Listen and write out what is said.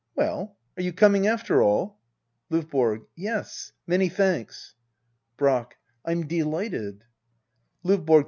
Well^ are you coming after all ? L<)VBORG. Yes^ many thanks. Brack. Fm delighted LdVBORO.